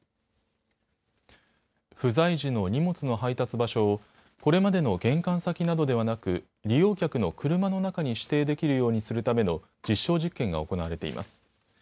不在時の荷物の配達場所をこれまでの玄関先などではなく利用客の車の中に指定できるようにするための実証実験が行われています。